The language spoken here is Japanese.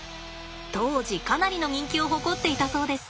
当時かなりの人気を誇っていたそうです。